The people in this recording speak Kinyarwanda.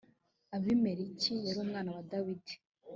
abimeleki yari umwana wa dawidi